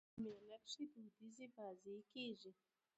په مېله کښي دودیزي بازۍ کېږي.